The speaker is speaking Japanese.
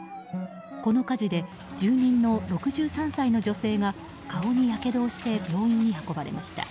この火事で住人の６３歳の女性が顔にやけどをして病院に運ばれました。